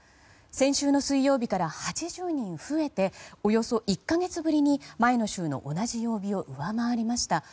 先週の水曜日から８０人増えておよそ１か月ぶりに前の週の同じ曜日を上回りました。